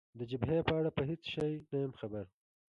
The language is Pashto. د جبهې په اړه په هېڅ شي نه یم خبر.